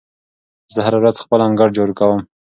زه هره ورځ خپل انګړ جارو کوم.